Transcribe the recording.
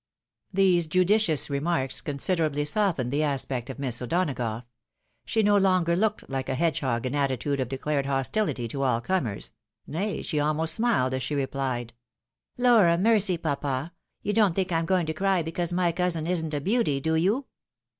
These judicious remarks considerably softened the aspect of Miss O'Donagough. She no longer looked like a hedgehog in attitude of declared hostOity to aU comers, nay she almost smiled as she replied, " Lor a mercy, papa ! you don't think I'm going to cry because my cousin isn't a beauty, do you